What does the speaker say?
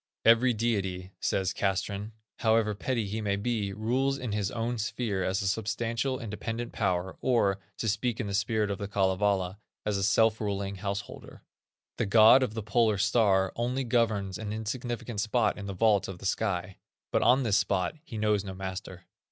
"Every deity", says Castrén, "however petty he may be, rules in his own sphere as a substantial, independent power, or, to speak in the spirit of The Kalevala, as a self ruling householder. The god of the Polar star only governs an insignificant spot in the vault of the sky, but on this spot he knows no master."